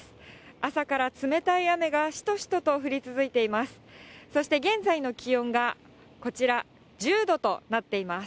朝から冷たい雨がしとしとと降り続いています。